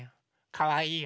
かわいいよ。